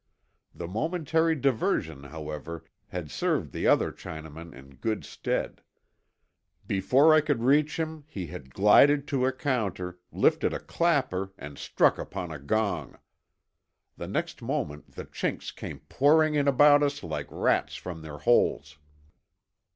The momentary diversion, however, had served the other Chinaman in good stead. Before I could reach him he had glided to a counter, lifted a clapper and struck upon a gong. The next moment the Chinks came pouring in about us like rats from their holes.